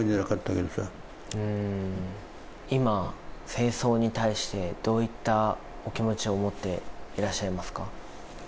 今、戦争に対してどういったお気持ちを持っていらっしゃいますか？